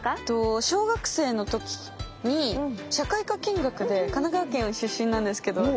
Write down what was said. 小学生の時に社会科見学で神奈川県出身なんですけど私。